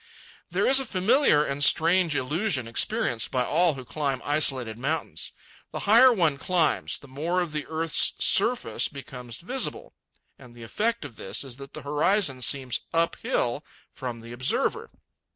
There is a familiar and strange illusion experienced by all who climb isolated mountains. The higher one climbs, the more of the earth's surface becomes visible, and the effect of this is that the horizon seems up hill from the observer.